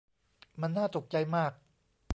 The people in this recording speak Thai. มันน่าตกใจมาก